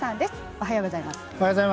おはようございます。